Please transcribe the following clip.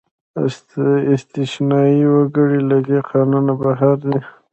استثنايي وګړي له دې قانونه بهر دي.